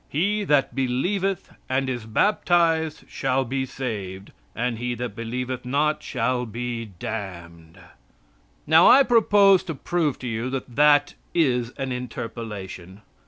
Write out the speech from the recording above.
He that believeth and is baptized shall be saved, and he that believeth not shall be damned." Now, I propose to prove to you that that is an interpolation.